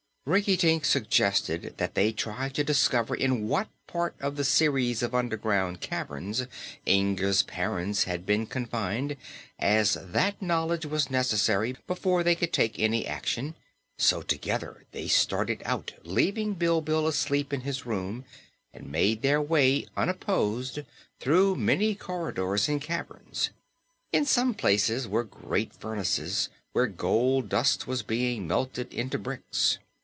Rinkitink suggested that they try to discover in what part of the series of underground caverns Inga's parents had been confined, as that knowledge was necessary before they could take any action; so together they started out, leaving Bilbil asleep in his room, and made their way unopposed through many corridors and caverns. In some places were great furnaces, where gold dust was being melted into bricks.